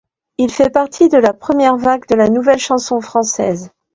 Il fait partie de la première vague de la nouvelle chanson française.